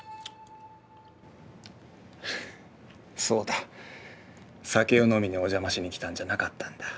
そうだ酒を飲みにお邪魔しに来たんじゃなかったんだ。